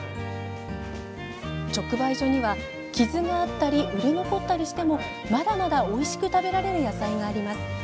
直売所には、傷があったり売れ残ったりしてもまだまだおいしく食べられる野菜があります。